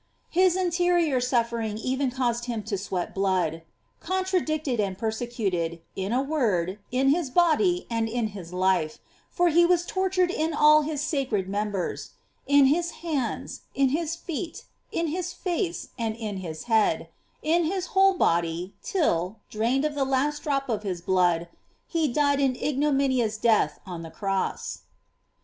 "J His interior suffering even caused him to sweat blood. Contradicted and persecuted, in a word, in his body and in his life, for he was tortured in all his sacred mem bers: in his hands, in his feet, in his face, and in his head, in his whole body, till, drained to the last drop of his blood, he died an ignominious death on the cross.